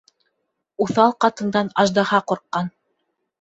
Уҫал ҡатындан аждаһа ҡурҡҡан.